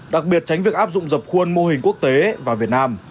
đặc biệt tránh việc áp dụng dập khuôn mô hình quốc tế và việt nam